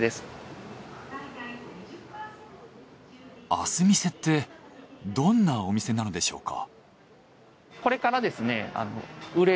明日見世ってどんなお店なのでしょうか？